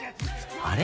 あれ？